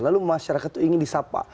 lalu masyarakat itu ingin disapa